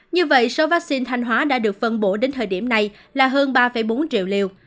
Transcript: như vậy số vaccine thanh hóa đã được phân bổ đến thời điểm này là hơn ba bốn triệu liều